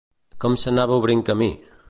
Com s'anava obrint camí?